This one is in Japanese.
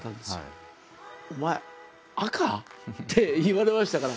「お前赤？」って言われましたから。